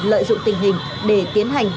lợi dụng tình hình để tiến hành